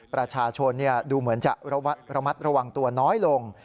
ประชาชนดูเหมือนจะระมัดระวังตัวน้อยลง